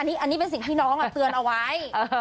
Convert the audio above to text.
อันนี้เป็นสิ่งที่น้องเตือนเอาไว้